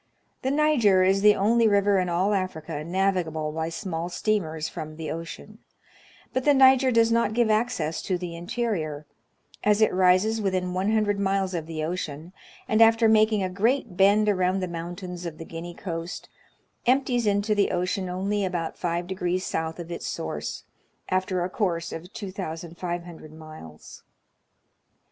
The Niger is the only river in all Africa navigable by small steamers from the ocean; but the Niger does not give access to the interior, as it rises within 100 miles of the ocean, and, after making a great bend around the mountains of the Guinea coast, empties into the ocean only about five degrees south of its source, after a course of 2,500 miles.